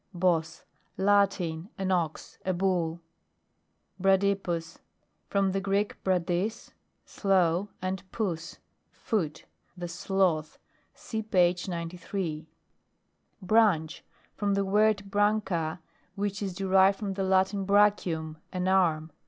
Bos. Latin. An ox, a bull. BRADYPUS. From the Greek, bradus t slow, and pous, foot. The sloth. (See page 93.) BRANCH From the word, Iranca, which is deiived from the Latin, bractiium, an arm.